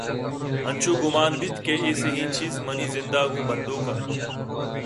انچو گمان بیت کہ اے سئیں چیز منی زند ءَ گوں بندوک اَنت